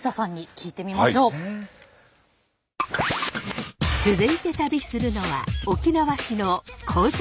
続いて旅するのは沖縄市のコザ。